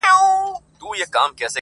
د گران صفت كومه.